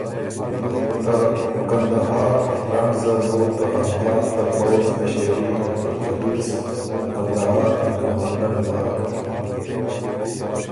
ته قندهار فرنټ زر بُو ته افغان ته پؤځ مِݭېري عبدالقدوس ته قندهار ا کمانډر داک۔